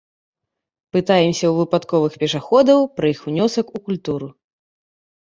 Пытаемся ў выпадковых пешаходаў пра іх унёсак у культуру.